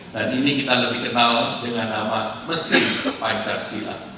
dan ini kita lebih kenal dengan nama mesin pancasila